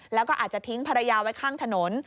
แล้วก็อาจจะทิ้งภรรยาไว้ข้างถนน